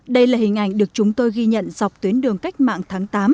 đây là hình ảnh được chúng tôi ghi nhận dọc tuyến đường cách mạng tháng tám